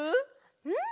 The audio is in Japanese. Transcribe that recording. うん！